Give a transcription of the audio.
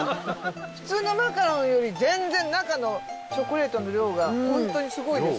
普通のマカロンより全然中のチョコレートの量が本当にすごいです。